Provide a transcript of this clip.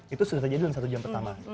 itu sudah terjadi dalam satu jam pertama